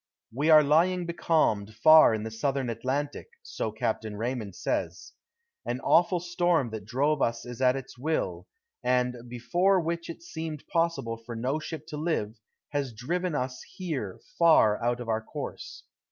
We are lying becalmed far in the Southern Atlantic, so Captain Raymond says. An awful storm that drove us at its will, and before which it seemed possible for no ship to live, has driven us here far out of our course.